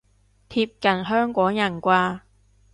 貼近香港人啩